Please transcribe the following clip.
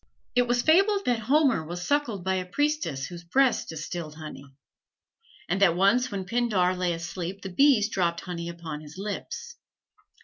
It was fabled that Homer was suckled by a priestess whose breasts distilled honey; and that once when Pindar lay asleep the bees dropped honey upon his lips.